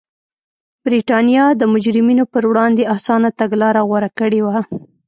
برېټانیا د مجرمینو پر وړاندې اسانه تګلاره غوره کړې وه.